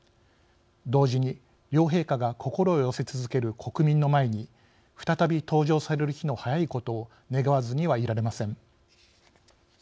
同時に両陛下が心を寄せ続ける国民の前に再び登場される日の早いことを願わずにはいられません。